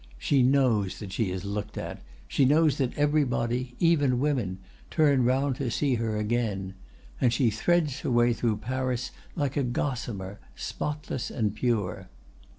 She knows that she is looked at, she knows that everybody, even women, turn round to see her again. And she threads her way through Paris like a gossamer, spotless and pure.